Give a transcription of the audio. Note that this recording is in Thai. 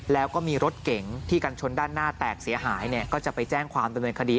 แล้วก็มีรถเก๋งที่กันชนด้านหน้าแตกเสียหายเนี่ยก็จะไปแจ้งความดำเนินคดี